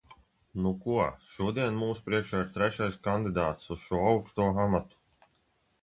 Nu ko, šodien mūsu priekšā ir trešais kandidāts uz šo augsto amatu.